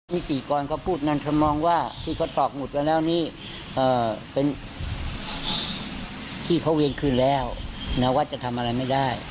นิติกรเขาพูดนั่นคำมองว่าที่เขาตอกหมุดไปแล้วนี่เป็นที่เขาเวรคืนแล้วนะว่าจะทำอะไรไม่ได้